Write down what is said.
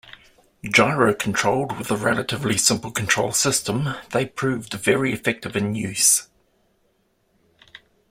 Gyro controlled with a relatively simple control system, they proved very effective in use.